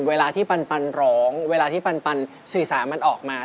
เวลาที่ปันร้องเวลาที่ปันสื่อสารมันออกมา